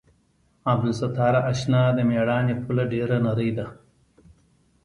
عبدالستاره اشنا د مېړانې پوله ډېره نرۍ ده.